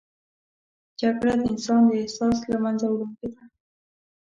جګړه د انسان د احساس له منځه وړونکې ده